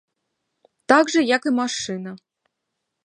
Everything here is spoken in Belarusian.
Так жа, як і машына.